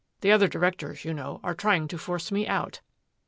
The other directors, you know, are trying to force me out."